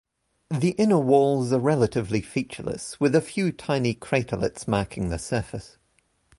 The inner walls are relatively featureless, with a few tiny craterlets marking the surface.